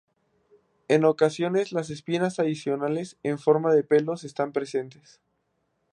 En ocasiones, las espinas adicionales en forma de pelos están presentes.